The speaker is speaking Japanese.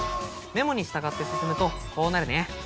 メモに従って進むとこうなるね。